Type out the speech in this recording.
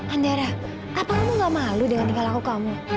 andara apa kamu gak malu dengan tinggal laku kamu